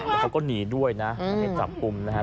แล้วเขาก็หนีด้วยนะจับปุ่มนะครับ